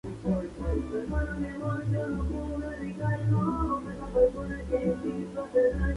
Su esposo, Craig, apareció con ella en Celebrity Rehab with Dr. Drew.